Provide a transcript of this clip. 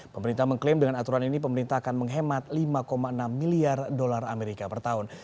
pemerintah mengklaim dengan aturan ini pemerintah akan menghemat lima enam miliar dolar amerika per tahun